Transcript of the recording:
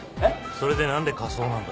それで何で仮装なんだ？